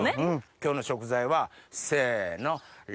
今日の食材はせの。